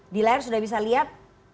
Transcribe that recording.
di layar sudah bisa lihat